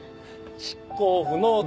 執行不能だ。